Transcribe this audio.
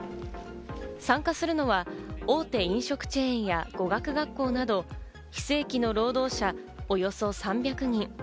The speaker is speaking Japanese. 参加するのは大手飲食チェーンや語学学校など、非正規の労働者、およそ３００人。